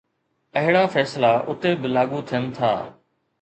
اهڙا فيصلا اتي به لاڳو ٿين ٿا